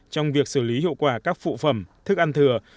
trong việc xử lý hiệu quả các phụ phẩm thức ăn thừa